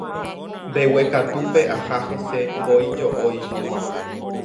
Mbeguekatúpe aha hese mbói jo'óicha.